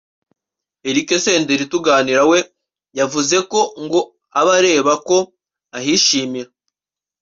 Eric Senderi tuganira we yavuze ko ngo aba areba ko ahishimira